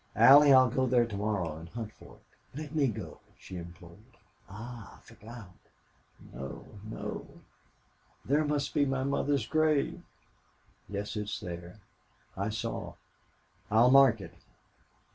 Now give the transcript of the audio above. Allie, I'll go there to morrow and hunt for it." "Let me go," she implored. "Ah! I forgot! No no!... There must be my mother's grave." "Yes, it's there. I saw. I will mark it....